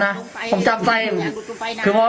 นี่เห็นจริงตอนนี้ต้องซื้อ๖วัน